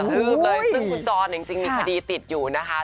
คืบเลยซึ่งคุณจรจริงมีคดีติดอยู่นะคะ